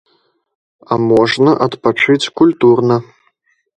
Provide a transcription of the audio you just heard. А можна адпачыць культурна.